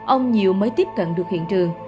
ông nhiều mới tiếp cận được hiện trường